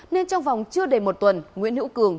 nên trong vòng chưa đầy một tuần nguyễn hữu cường